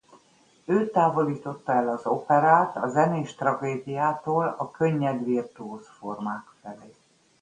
Ő távolította el az operát a zenés tragédiától a könnyed virtuóz formák felé.